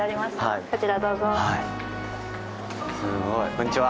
こんにちは。